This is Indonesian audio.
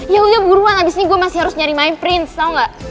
ya udah buruan abis ini gue masih harus nyari main prince tau gak